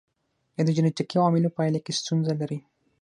یا د جنېټیکي عواملو په پایله کې ستونزه لري.